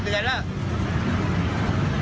เดือนแล้ว